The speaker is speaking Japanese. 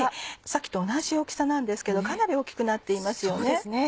さっきと同じ大きさなんですけどかなり大きくなっていますよね。